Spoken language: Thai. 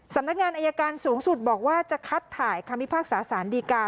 สำนักงานอายการสูงสุดบอกว่าจะคัดถ่ายคำพิพากษาสารดีกา